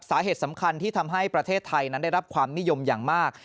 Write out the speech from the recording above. สาเหตุสำคัญที่ทำให้ประเทศไทยนั้นได้รับความนิยมอย่างมาก